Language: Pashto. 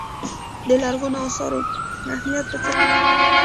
د لرغونو اثارو اهمیت په څه کې دی.